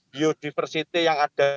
biodiversity yang ada